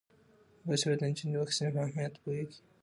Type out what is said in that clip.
باسواده نجونې د واکسین په اهمیت پوهیږي.